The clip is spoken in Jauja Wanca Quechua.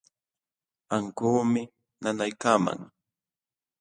Ankuumi nanaykaman.